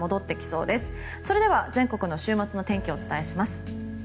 それでは、全国の週末の天気をお伝えします。